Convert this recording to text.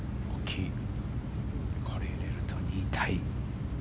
これ入れると２位タイ。